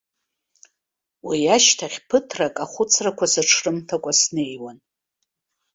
Уи ашьҭахь ԥыҭ-рак ахәыцрақәа сыҽрымҭакәа снеиуан.